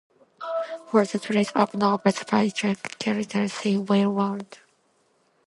For the series of novels by Jack Chalker see Well World.